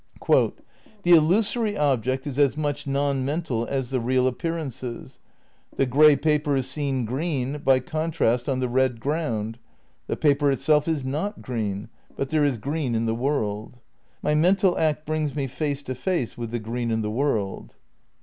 '' "The illusory object is as much non mental as the real appear ance. ... The grey paper is seen green by contrast on the red ground. The paper itself is not green. But there is green in the ■world. ...'"... "My mental act brings me face to face with the green in the world."